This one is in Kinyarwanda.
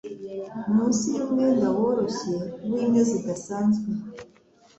munsi yumwenda woroshye winyo zidasanzwe